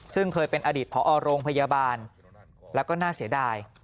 ซึ่งเคยเป็นอดีตพอโรงพยาบาลแล้วก็น่าเสียดาย